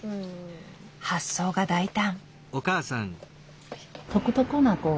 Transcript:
発想が大胆！